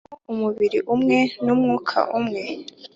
Hariho umubiri umwe b n umwuka umwe